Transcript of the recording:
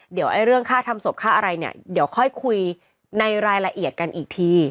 เดี๋ยวเรื่องค่าทำศพค่าอะไรเนี่ยเดี๋ยวค่อยคุยในรายละเอียดกันอีกที